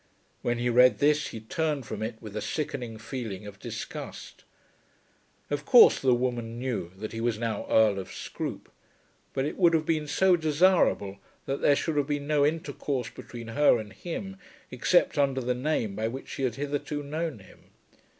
When he read this he turned from it with a sickening feeling of disgust. Of course the woman knew that he was now Earl of Scroope; but it would have been so desirable that there should have been no intercourse between her and him except under the name by which she had hitherto known him.